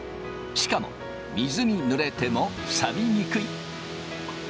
しかも水にぬれてもさびにくい。